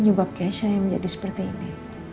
nyobap keisha yang menjadi seperti ini